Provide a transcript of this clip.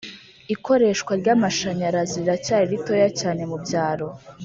ikoreshwa ry'amashanyarazi riracyari ritoya cyane mu byaro